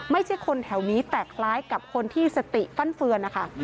ไม่ใช่คนแถวนี้แต่คล้ายกับคนที่สติฟั่นเฟือนนะคะ